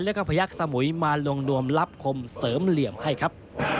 แล้วก็พยักษมุยมาลงนวมรับคมเสริมเหลี่ยมให้ครับ